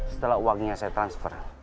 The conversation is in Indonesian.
setelah uangnya saya transfer